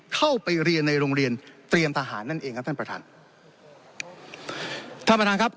เข้าไปเรียนในโรงเรียนเตรียมทหารนั่นเองครับท่านประธานท่านประธานครับ